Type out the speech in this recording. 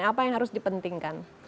apa yang harus dipentingkan